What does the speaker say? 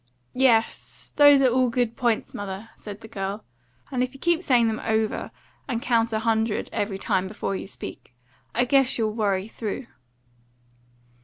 "Yes, those are all good points, mother," said the girl; "and if you keep saying them over, and count a hundred every time before you speak, I guess you'll worry through."